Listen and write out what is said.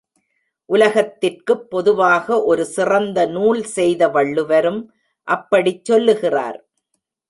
உலகத்திற்குப் பொதுவாக ஒரு சிறந்த நூல் செய்த வள்ளுவரும் அப்படிச் சொல்லுகிறார்.